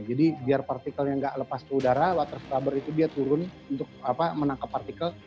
jadi biar partikelnya tidak lepas ke udara water scrubber itu dia turun untuk menangkap partikel